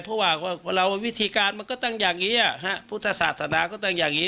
เพราะว่าเราวิธีการมันก็ตั้งอย่างนี้พุทธศาสนาก็ตั้งอย่างนี้